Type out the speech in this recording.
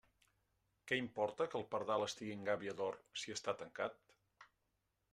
Què importa que el pardal estiga en gàbia d'or, si està tancat?